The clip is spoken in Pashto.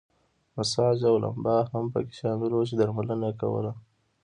مساج او لمبا هم پکې شامل وو چې درملنه یې کوله.